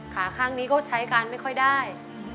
ขาข้างนี้ก็ใช้การไม่ค่อยได้